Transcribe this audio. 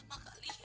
nah kapal aku